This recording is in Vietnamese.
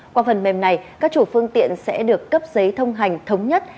qua phần mềm này các chủ phương tiện sẽ được cấp giấy thông hành thống nhất